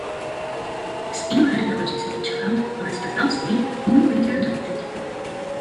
Steele had an illegitimate child, Elizabeth Ousley, whom he later adopted.